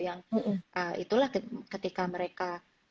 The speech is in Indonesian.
yang itulah ketika mereka